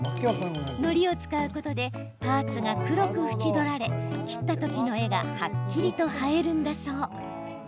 のりを使うことでパーツが黒く縁取られ切った時の絵がはっきりと映えるんだそう。